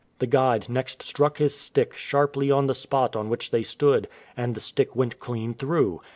The guide next struck his stick sharply on the spot on which they stood, and the stick went clean through.